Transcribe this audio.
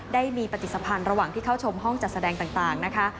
ได้มีปฏิสภัณฑ์ระหว่างที่เข้าชมห้องจัดแสดงต่างนะคะ